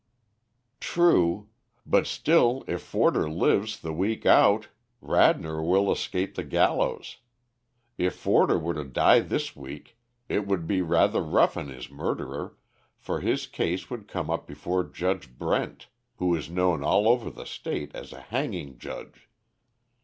"True. But still if Forder lives the week out, Radnor will escape the gallows. If Forder were to die this week it would be rather rough on his murderer, for his case would come up before Judge Brent, who is known all over the State as a hanging judge.